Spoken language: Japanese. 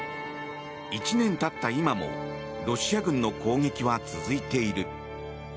１年経った今もロシア軍の攻撃は続いている。